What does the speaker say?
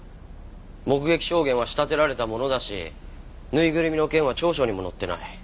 目撃証言は仕立てられたものだしぬいぐるみの件は調書にも載ってない。